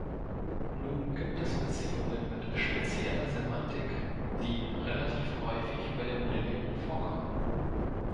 Nun gibt es Beziehungen mit spezieller Semantik, die relativ häufig bei der Modellierung vorkommen.